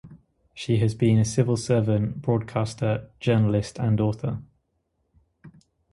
She has been a civil servant, broadcaster, journalist and author.